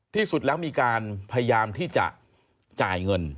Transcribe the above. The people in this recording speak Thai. ที่สุดแล้วมีการพยายามที่จะจ่ายเงิน